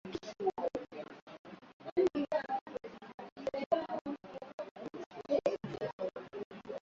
wendesha mashtaka mkuu wa icc luis